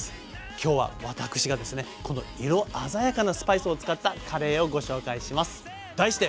今日は私がですねこの色鮮やかなスパイスを使ったカレーをご紹介します。